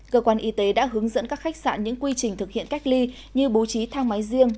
cơ quan y tế đã hướng dẫn các khách sạn những quy trình thực hiện cách ly như bố trí thang máy riêng